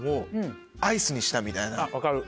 分かる。